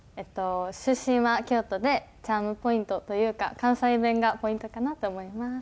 出身は京都でチャームポイントというか関西弁がポイントかなって思います。